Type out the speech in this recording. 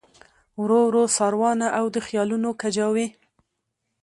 ورو ورو ساروانه او د خیالونو کجاوې